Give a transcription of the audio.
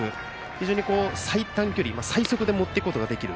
非常に最短距離に最速で持っていくことができる。